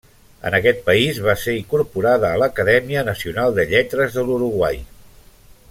En aquest país va ser incorporada a l'Acadèmia Nacional de Lletres de l'Uruguai.